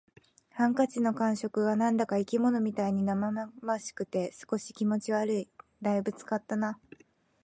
ハンカチの感触が何だか生き物みたいに生々しくて、少し気持ち悪い。「大分使ったな」